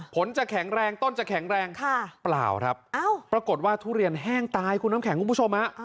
ผลจะแข็งแรงต้นจะแข็งแรงเปล่าครับปรากฏว่าทุเรียนแห้งตายคุณน้ำแข็งคุณผู้ชมฮะ